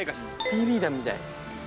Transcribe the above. ＢＢ弾みたい。